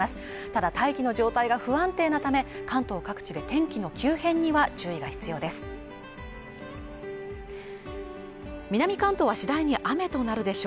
ただ大気の状態が不安定なため関東各地で天気の急変には注意が必要です